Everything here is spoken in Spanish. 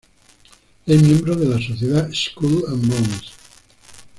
Es miembro de la sociedad Skull and Bones.